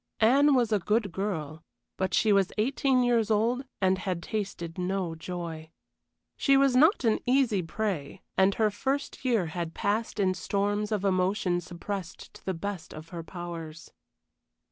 Anne was a good girl, but she was eighteen years old and had tasted no joy. She was not an easy prey, and her first year had passed in storms of emotion suppressed to the best of her powers.